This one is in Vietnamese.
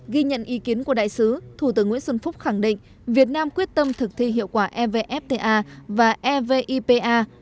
ghi nhận ý kiến của đại sứ thủ tướng nguyễn xuân phúc khẳng định việt nam quyết tâm thực thi hiệu quả evfta và evipa